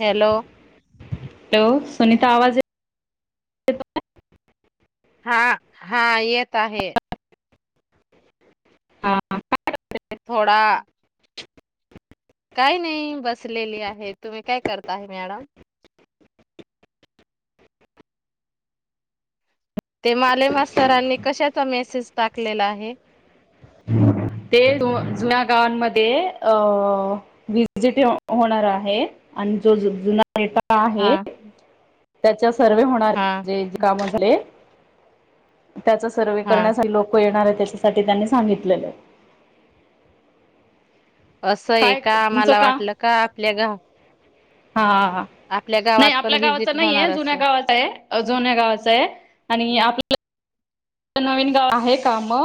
Hello hello Sunita आवाज येत हा हा येत आहे हा ह थोडा काय नाही बसलेली आहे तुम्ही काय करताय मॅडम ते मालेमा सरांनी कशाचा मेसेज टाकलेला आहे ते जुन्या गावांमध्ये अ विजिट होणार आहे आणि जो जुना पलका आहे हा तुमचा सर्वे होणार हा जे काम झाले. त्याचा सर्वे हा करण्यासाठी लोक येणार आहेत. त्याच्यासाठी त्यांनी सांगितलेल. असं आहे काय का तुमचं आम्हाला का वाटलं आपल्या गा हा आपल्या नाही गावात पण आपल्या गावाच व्हिजिट नाहीय होणार जुन्या असं गावाचा आहे जुन्या गावाच आहे आणि आपल्या नवीन गाव आहे का म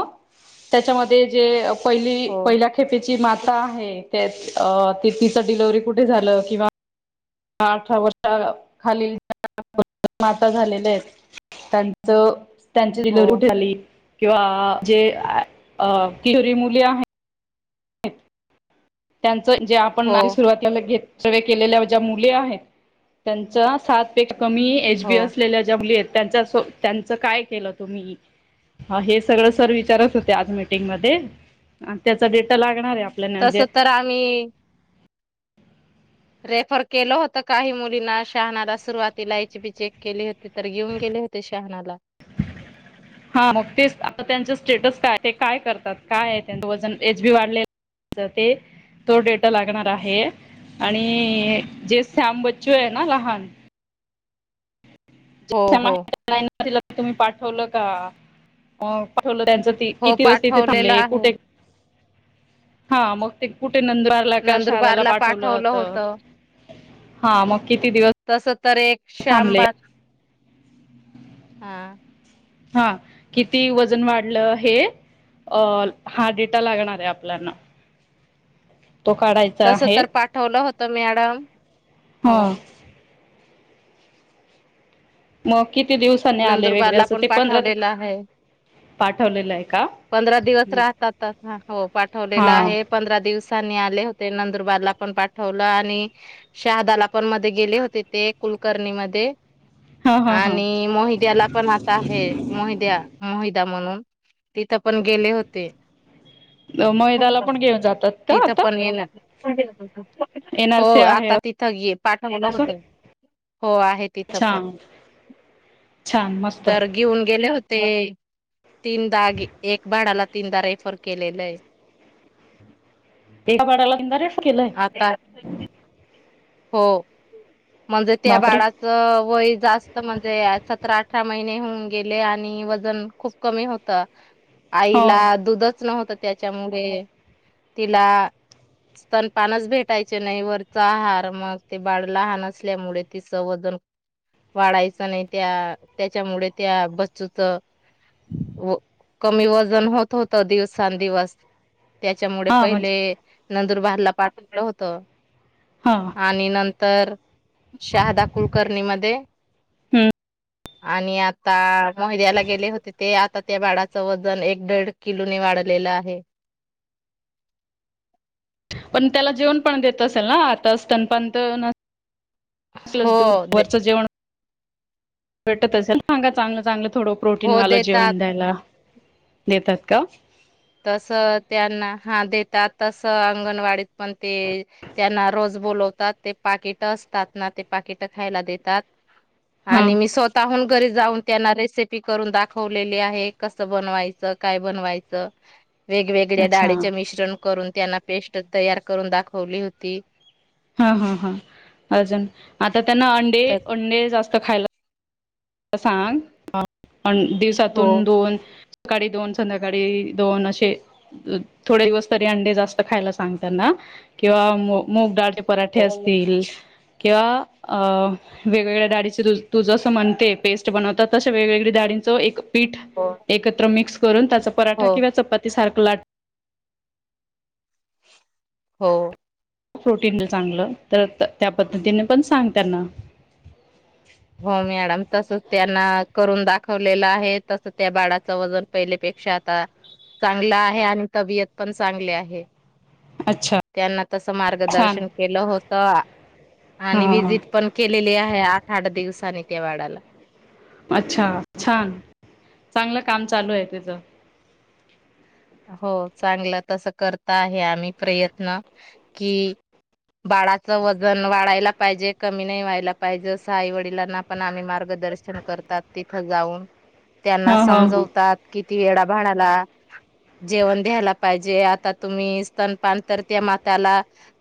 त्याच्यामध्ये जे पहिली हो पहिल्या खेपेची माता आहे. त्या तिचं डिलवर्ही कुठे झालं किंवा अठरा वर्ष खालीलच्या माता झालेल्या आहेत त्यांचं त्यांची हो डिलिव्हरी कुठे झाली? किंवा जे किशोरी मुली आहे त्यां जे आपण हो आधी सुरवातला घेतल सर्वे केलेल्या ज्या मुली आहेत त्यांच सात पेक्षा कमी एच हो बी असलेल्या ज्या मुली आहेत त्यांच त्यांचं काय केलं तुम्ही. हा हे सगळं सर विचार आज विचारत होते मीटिंगमध्ये आणि त्याचा डेटा लागणार आहे आपल्याला जे मी रेफर केलं होतं काही मुलींना शहाणाला सुरुवातीलायची बी चेक केली होती तर घेऊन गेले होते शहाणाला हा मग ते आता त्यांच स्टेटस काय ते काय करतात काय आहे त्यां वजन एच बी वाढले ते तो डेटा लागणार आहे आणि जे सॅम बच्चू आहे ना लहान हो हो ति तुम्ही पाठवलं का पाठवलं किती हो दिवस तिथे पाठवलेलं थांबले आहे कुठे हा मग ते कुठे नंदवारला का शदाला नंदुरबारला पाठवलं होत होतं हा म तस तर एक श्यामबाग हा! हा किती वजन वाढलं हे, अ हा डेटा लागणार आहे आपल्याना. तो काढायचा तस आहे. तर पाठवलं मॅडम. हो हा! मग! किती दिवसांनी आले वगैरे नंदुरबारला असं पण ते पंधरा पाठवलेला आहे, पाठवलेलं आहे का? पंधरा दिवस राहतात, हो हा पाठवलेला आहे पंधरा दिवसानी आ ले होते नंदुरबार ला पण पाठवलं, आणि शहादाला पण मध्ये गेले होते ते, कुलकर्णी मध्ये हा हा हा! आणि मोहिद्याला पण आता हे, मोहिद्या मोहि म्हणून तिथं पण गेले होते. मैदाला [unintelligible] पण घेऊन जातात का तिथ आता पण येणार [unintelligible] एन आर हो सी आहे आता तिथं पाठवलं असं होत हो आहे तिथ पण. छान छान मस्त तर घेऊन गेले होते. [inaudible] तिनदागी एक भाडाला तीनदा रेफर केलेलंय तेकापाडाला तीनदा रेस्ट केलय आता हो! म्हणजे त्या बापरे बाळाचं वय जास्त, म्हणजे सतरा आठ अठरा महिने होऊन गेले, आणि वजन खूप कमी होत. हो आईला दूधच नव्हतं त्याच्यामुळे तिला स्तनपानच भेटायचे नाही, वरचा आहार मग ते बाळ लहानच असल्यामुळे तिचं वजन वाढायचं नाही त्या त्याच्यामुळे त्या बच्चूच व कमी वजन होत होत दिवसांंदिवस. त्याच्यामुळे हा म्हणजे पहिले नंदुरबारला पाठवलं होतं. हा आणि नंन तर. शहादा कुलकर्णी मधे [inaudible] आणि आता महिद्याला गेले होते ते, आता त्या बाळाचं वजन एक दीड किलो ने वाढलेलं आहे.. पण त्याला जेवण पण देत असेल ना आता, स्तनपान त कसलच दूध हो दे वरचं जेवण भेटत असेल सांगा चांगलं चांगलं थोडं प्रोटीन हो वाल देतात जेवन द्यायला देतात का? तस त्यांना हा देतात तस अंगणवाडीत पण ते त्यांना रोज बोलवतात ते पाकिट असतात ना ते पाकिट खायला देतात. हा आणि मी स्वतःहून घरी जाऊन त्यांना रेसिपी करून दाखवलेली आहे कस बनवायचं काय बनवायचं वेगवेगळ्या अच्छा डाळीचे मिश्रण करून त्यांना पेस्ट तयार करून दाखवली होती. हा हा हां अजून आत तर त्यांना अंडे तर अंडे जास्त खायला स सांग न हो दिवसातून दोन सकाळी दोन संध्याकाळी दोन अशे थोडे दिवस तरी अंडे जास्त खायला सांग त्यांना किंवा मुग डाळ पराठे हो असतील. किंवा वेगवेगळ्या डाळीच तु तू जस म्हणते पेस्ट बनवतात अशा वेगवेगळे दाळींच एक पीठ हो एकत्र मिक्स करून [unintelligible] पराठा हो किंवा चपाती सारख लाटुन हो. प्रोटीन दे चांगल तर त्या पद्धतीने पण सांग त्यांना. हो मॅडम तसच त्यांना करून दाखवलेलं आहे तस त्या बाळाच वजन पहिलेपेक्षा आता चांगलं आहे आणि तबीयत पण चांगली आहे. अच्छा त्यांना तस छान मार्गदर्शन केलं हो त हा आणि हा विजिट पण केलेली आहे आ दिवसानी येते वाढाला. अच्छा छान चांगल काम चालू आहे त्येज. हो चांगलं तस करता आहे आम्ही प्रयत्न कि बाळाच वजन वाढायला पाहिजे कमी नाही व्हायला पाहिजे अस आई वडिलांना पण आम्ही मार्गदर्शन करतात तिथं जाऊन. ह त्यांना ह ह समजवतात किती वेळा बाळाला. जेवण द्यायहेला पाहिजे आता तुम्ही स्तनपान तर त्या मात्याला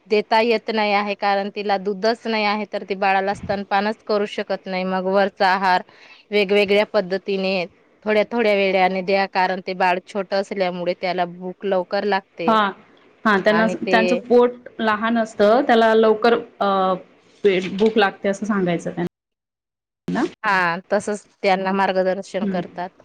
देता येत नाही आहे, कारण तिला दुधंच नाही आहे तर ती बाळाला स्तनपानच करू शकत नाही मग वरचा आहार वेगवेगळ्या पद्धतीने थोड्या थोड्या वेळाने द्या कारण ते बाळ छोट त्या मूळे त्याला भूक लागते हा हा त्यांना आणि ते त्यांच पोट लहान असत त्याला लवकर अ पे भूक लागते अस सांगायचं त्याना. हा तसच त्यांना मार दर्शन हम्म करतात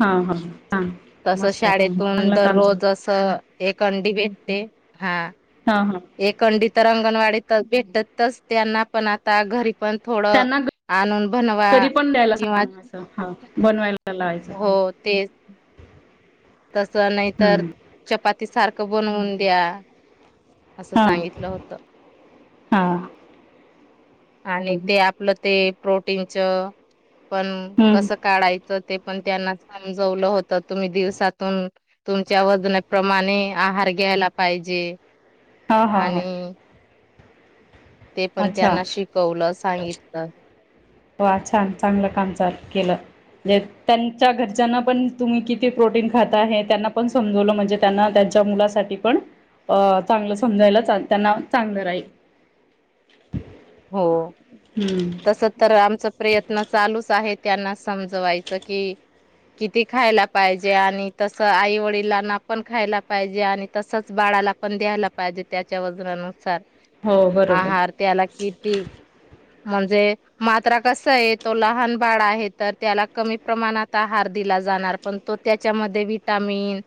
हा हा छान तस मस्त शाळेतुन चांगलं काम चालू दररोज असं एक अंडी भेटते हा. हा हा एकंडी तर अंगणवाडी ईथच भेटतच त्यांना पण आता घरी पण थोड त्यांना आणून बनवा घरी पण द्यायला किंवा सांगायचं हा बनवायला लावायचं हो तेच तस नाहीतर हम्म चपाती सारख बनवून द्या. अस हा सांगितल होत. हा आणि ते आपलं ते प्रोटीनच पण हम्म कसं काढायचं ते. पण त्यांना समजवलं होतं तुम्ही दिवसात तुमच्या वजनाप्रमाणे आहार घ्यायला पाहिजे. हा हा हा आणि ते पण अच्छा त्यांना शिकवलं सांगितलं. वा छान चांगलं काम चालू केलं म्हे त्यांच्या घरच्यांना पण तुम्ही किती प्रोटीन खाता हे त्यांना पण समजवलं म्हणजे त्यांना त्यांच्या मुलासाठी पण अ चांगलं समजायला चा त्यांना चांगलं राहील. हो. हम्म तस तर आमचं प्रयत्न चालूच आहे त्यांना समजवायचं कि किती खायला पाहिजे आणि तसं आईवडिलां ना पण खायला पाहिजे आणि तसच बाळाला पण द्यायला पाहिजे त्याच्या वजनानुसार. हो बरोबर आहार त्याला किती. म्हणजे मात्रा कस आहे तो लहान बाळ आहे तर त्याला कमी प्रमाणात आहार दिला जाणार पण तो त्याच्यामध्ये विटामिन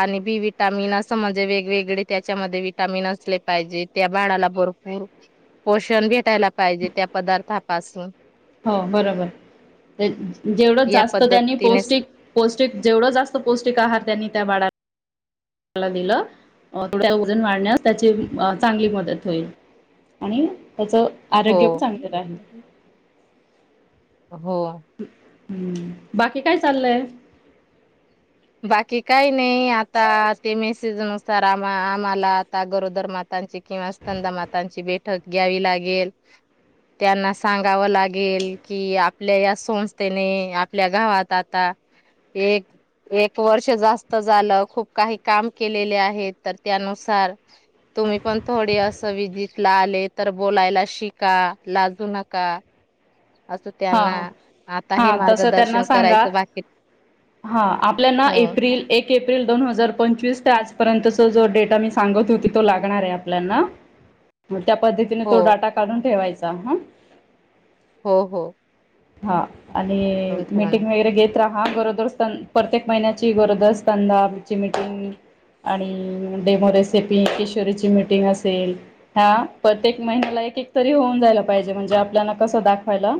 आणि बि विटामिन असं म्हणजे वेगवेगळे त्याच्यामध्ये विटामिन असले पाहिजे त्या बाळाला भरपूर पोषण भेटायला पाहिजे त्या पदार्थापासून. हो बरोबर जेवढंच या जास्त त्यांनी पद्धतीनेच पौष्टिक पौष्टिक जेवढ जास्त पौष्टिक आहार त्यांनी त्या बाळा त्याला दिलं थोड वजन वाढण्यास त्याची चांगली मदत होईल आणि त्याचं आरोग्य पण हो. चांगलेलं राहील. हो. हम्म बाकी काय चाललंय. बाकी काही नाही आता ते मेसेजनुसार आम्हा आम्हाला आता गरोदर मातांची किंवा स्तनदा मातांची बैठक घ्यावी लागेल. त्यांना सांगावं लागेल कि आपल्या या संस्थेने आपल्या गावात आता एक एक वर्ष जास्त झालं खूप काही काम केलेले आहे, तर त्यानुसार तुम्ही पण थोडे असं विजिटला आले तर बोलायला शिका लाजू नका. असं हा त्यांना आता हे हा तसं त्यांना मार्गदर्शन सांगा करायचं, बाकीत हा आपल्याना एप्रिल एक एप्रिल दोन हजार पंचवीस तर आजपर्यंतचा जो डेटा मी सांगत होती तो लागणार आहे आपल्याना. त्या पद्धतीने तो हो, डाटा काढून ठेवायचा. चाहा हो हो. हा. आणि करून ठेवाणार. मीटिंग वगैरे घेत हा गरोदर स्तन प्रत्येक महिन्याची गरोदर स्तनदांची मिटिंग आणि डेमो रेसिपी किशोरीची मिटिंग असेल, ह्या प्रत्येक महिन्याला एक एक तरी होऊन जायला पाहिजे म्हणजे आपल्याला कस दाखवायला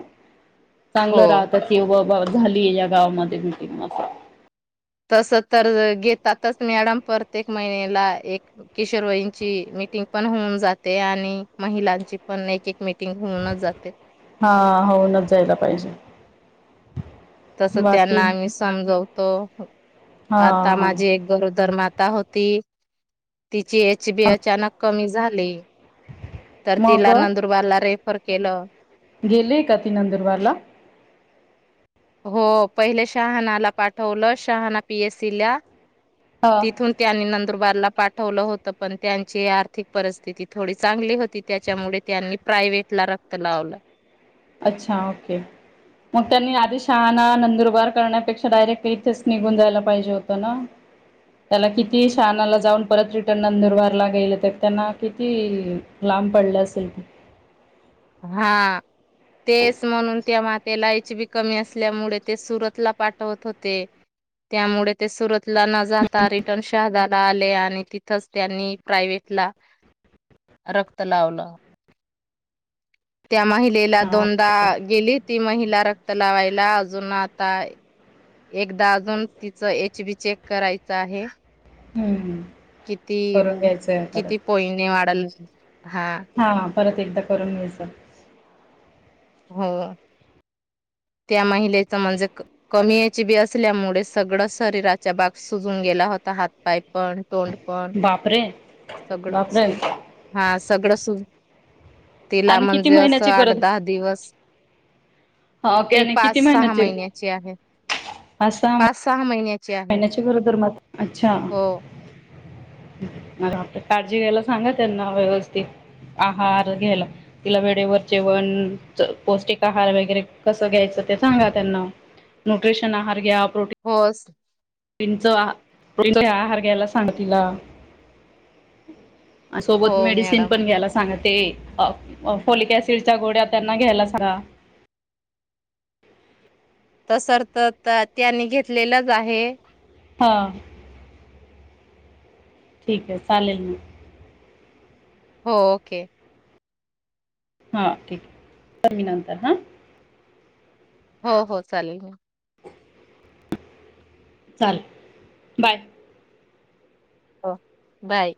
हो. चांगलं राहतं की व झालीय या गावामध्ये मीटिंग असं. तसं तर घेतातच मॅडम प्रत्येक महिन्याला एक किशोरवईंची ची मिटिंग पण होऊन जाते आणि महिलांची पण एक मीटिंग होऊनच जाते. हा होऊनच जायला पाहिजे. तस बाकी त्यांना आम्ही सांग तो हा आता हा माझी एक गरोदर नात होती, तिची एच बी अचानक कमी झाली, तर मग तिला नंदुरबारला रे फर केलं. गेले का ती नंदुरबारला हो पहिले शहानाला पाठवलं शहाना पी एस सी ला, हा तिथून त्यानी नंतर बार पाठवलं होत पण त्यांची आर्थिक परिस्थिती थोडी चांगली होती त्याच्यामुळे त्यांनी प्रायव्हेट ला रक्त लावलं. अच्छा ओके. मग त्यांनी आधी शहाणा, नंदुरबार करण्यापेक्षा डायरेक्ट इथेच निघून जायला पाहिजे होतं ना, त्याला किती शहानाला जाऊन परत रिटर्न नंदुरबारला गेले तर त्यांना किती लांब पडले असेल ते. हां, तेच म्हणून त्या मात एच बी कमी असल्यामुळे ते सुरतला पाठवत होते त्यामुळे ते सुरत त न जाता रिटर्न शहानाला आले आणि तिथ तिथंच त्यांनी प्रायव्हेटला रक्त लावलं. त्या महिलेला हा दोनदा गेली ती महिला रक्त लावायला अजून आता एकदा अजून तिचं एच बी चेक करायच आहे. हम्. किती किती पॉईंटने वाढल हा. हा परत एकदा करून घ्यायचं. हो त्या महिलेच म्हणजे कमी एच बी असल्यामुळे सगळं शरीराच्या भाग सुजून गेला होता हात, पाय पण तोंड पण बापरे सगळं बापरे सु हा सगळं सुज तिला आणि किती म्हणजे असं महिन्याची आठ, गरज दहा दिवस हा ती आणि पाच, किती सहा महिन्याची आहे. पाच, सहा महिन्या महिन्याची गरोदर म अच्छा म आता काळजी घ्यायला सांगा त्यांना व्यवस्थित आहार घ्यायला तिला वेळेवर जेवण, पौष्टिक आहार, वगैरे कसं घ्यायचं ते सांगा त्यांना न्यूट्रिशन आहार, घ्या हो चं-प्रोटीनच आहार घ्यायला सांग तिला. हो सोबत मेडिसिन मॅडम पण घ्यायला सांगत ते फोलिकऍसिडच्या गोळ्या त्यांना घ्यायला सांगा. त सर् तर त्यांनी घेतलेलंच आहे, हां, ठीक आहे चालेल म. हो ओके. हा ठीक आहे करेन मी नंतर हा. हो हो चालेल म. चाल बाय. हो बाय.